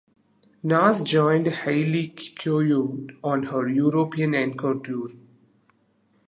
Naaz joined Hayley Kiyoko on her "European Encore Tour".